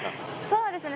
そうですね。